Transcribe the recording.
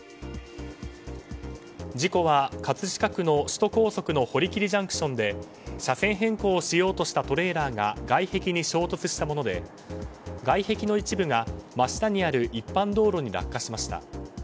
事故は葛飾区の首都高速の堀切ＪＣＴで車線変更をしようとしたトレーラーが外壁に衝突したもので外壁の一部が真下にある一般道路に落下しました。